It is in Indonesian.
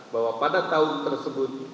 bahwa pada tahun tersebut